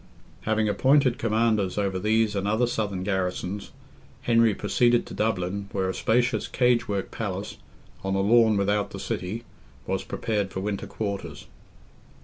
Having appointed commanders over these and other southern garrisons, Henry proceeded to Dublin, where a spacious cage work palace, on a lawn without the city, was prepared for winter quarters.